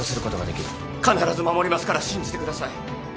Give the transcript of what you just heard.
必ず守りますから信じてください。